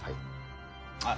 はい。